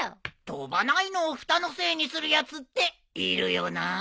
飛ばないのをふたのせいにするやつっているよな。